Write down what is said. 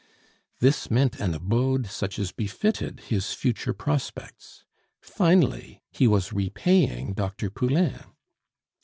This meant an abode such as befitted his future prospects. Finally, he was repaying Dr. Poulain.